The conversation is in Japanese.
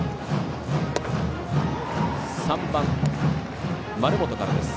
３番、丸本からです。